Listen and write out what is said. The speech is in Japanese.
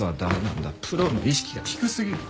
プロの意識が低すぎる。